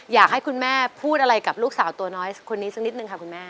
อยากให้คุณแม่พูดอะไรกับลูกสาวตัวน้อยคนนี้สักนิดนึงค่ะคุณแม่